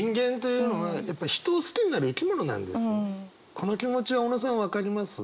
この気持ちは小野さん分かります？